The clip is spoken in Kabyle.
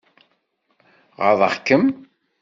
Ɣaḍeɣ-kem?